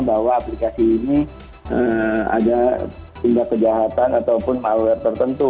bahwa aplikasi ini ada tindak kejahatan ataupun malware tertentu